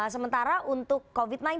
sementara untuk covid sembilan belas